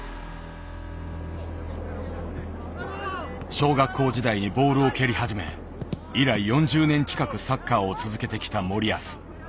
小学校時代にボールを蹴り始め以来４０年近くサッカーを続けてきた森保。